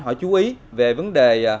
họ chú ý về vấn đề